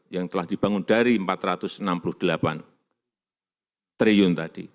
yang telah dibangun dari empat ratus enam puluh delapan triliun tadi